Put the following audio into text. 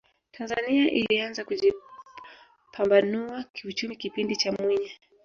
tanzania ilianza kujipambanua kiuchumi kipindi cha mwinyi